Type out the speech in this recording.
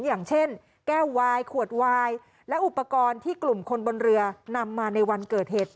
อย่างเช่นแก้ววายขวดวายและอุปกรณ์ที่กลุ่มคนบนเรือนำมาในวันเกิดเหตุ